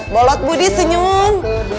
bolot budi senyum